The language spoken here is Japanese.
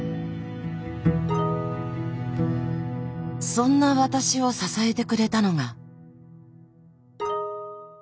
そんな私を支えてくれたのが。